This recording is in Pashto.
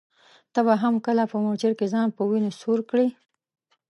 ته به هم کله په مورچل کي ځان په وینو سور کړې ؟